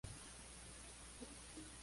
La comunidad judía nunca fue restaurada.